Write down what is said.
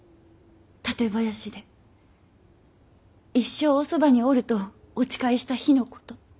館林で一生おそばにおるとお誓いした日のこと。